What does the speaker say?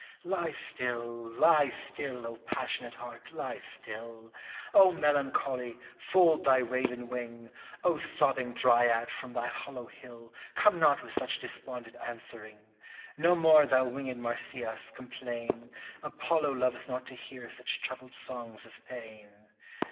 Lie still, lie still, O passionate heart, lie still ! O Melancholy, fold thy raven wing ! O sobbing Dryad, from thy hollow hill Come not with such desponded answering ! No more thou winged Marsyas complain, Apollo loveth not to hear such troubled songs of pain